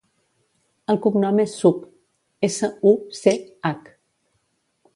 El cognom és Such: essa, u, ce, hac.